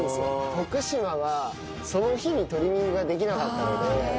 徳島はその日にトリミングができなかったので。